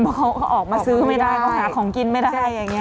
มันแซมว้าวออกมาซื้อไม่ได้มาข้ามกินไม่ได้อย่างนี้